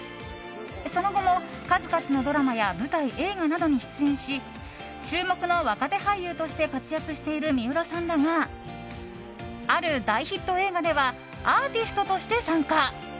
その後も数々のドラマや舞台映画などに出演し注目の若手俳優として活躍している三浦さんだがある大ヒット映画ではアーティストとして参加。